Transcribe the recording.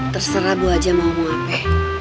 terserah bu aja mau apa